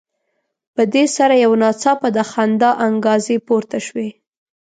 په دې سره یو ناڅاپه د خندا انګازې پورته شوې.